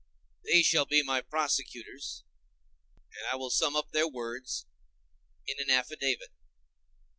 They shall be my prosecutors, and I will sum up their words in an affidavit.